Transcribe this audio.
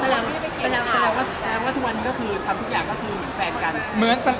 แสดงว่าทุกอย่างก็คือเหมือนแฟนกัน